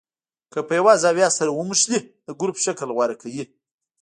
که په یوه زاویه سره ونښلي د ګروپ شکل غوره کوي.